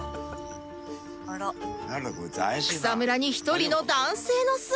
草むらに１人の男性の姿